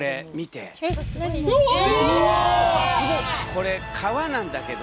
これ川なんだけど。